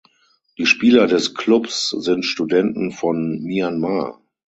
Die Spieler des Clubs sind Studenten von Myanmar.